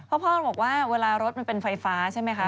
เพราะพ่อบอกว่าเวลารถมันเป็นไฟฟ้าใช่ไหมคะ